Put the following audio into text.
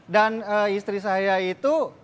dan istri saya itu